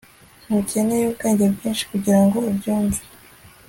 Ntukeneye ubwenge bwinshi kugirango ubyumve